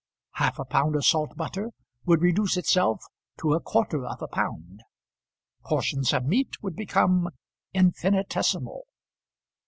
Half a pound of salt butter would reduce itself to a quarter of a pound. Portions of meat would become infinitesimal.